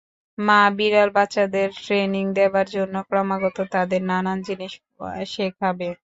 মা- বিড়াল বাচ্চাদের ট্রেনিং দেবার জন্যে ক্রমাগত তাদের নানান জিনিস শেখাবে।